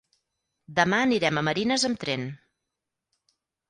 Demà anirem a Marines amb tren.